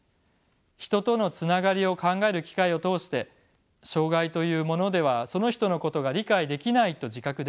人とのつながりを考える機会を通して障がいというものではその人のことが理解できないと自覚できる。